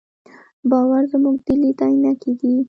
باور زموږ د لید عینکې دي.